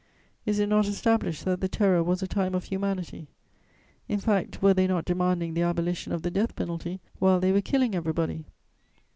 Is it not established that the Terror was a time of humanity? In fact, were they not demanding the abolition of the death penalty while they were killing everybody?